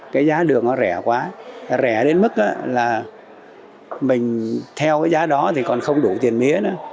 cái giá đường nó rẻ quá rẻ đến mức là mình theo cái giá đó thì còn không đủ tiền mía nữa